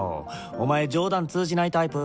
お前冗談通じないタイプ？